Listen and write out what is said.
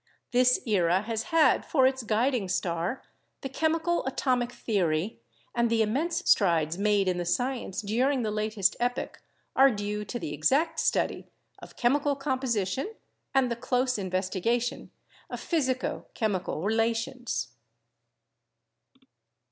This era has had for its guiding star the chemical atomic theory, and the immense strides made in the science during the latest epoch are due to the exact study of chemical composition and the close investigation of physico chemical relations.